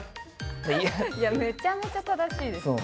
いや、めちゃめちゃ正しいです。